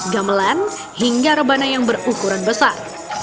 gamelan hingga rebana yang berukuran besar